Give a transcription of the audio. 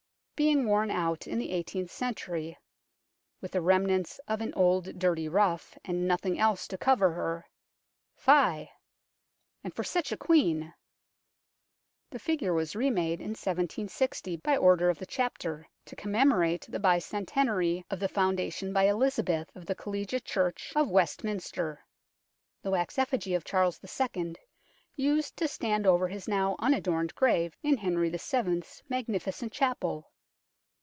Being worn out in the eighteenth century, " with the remnants of an old dirty ruff, and nothing else to cover her " fie ! and for such a Queen ! the figure was remade in 1760 by order of the Chapter, to commemorate the bicentenary of the foundation by Elizabeth of the Collegiate Church of West minster. The wax effigy of Charles II. used to stand over his now unadorned grave in Henry VII. 's magnificent chapel.